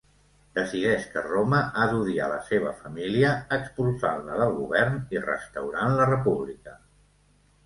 Decideix que Roma ha d'odiar la seva família, expulsant-la del govern i restaurant la República.